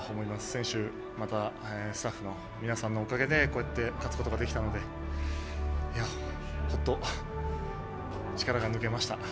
選手やスタッフの皆さんのおかげで勝つことができたのでほっと力が抜けました。